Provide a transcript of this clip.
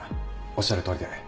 おっしゃるとおりで。